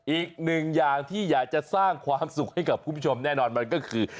อีกหนึ่งอย่างที่อยากจะสร้างความสุขให้กับคุณผู้ชมแน่นอนมันก็คือ